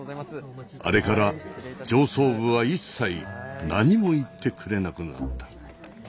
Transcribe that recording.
あれから上層部は一切何も言ってくれなくなった。